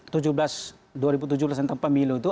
dua ribu tujuh belas tentang pemilu itu